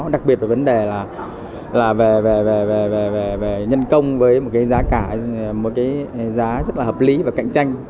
đặc biệt là vấn đề là về nhân công với một cái giá rất là hợp lý và cạnh tranh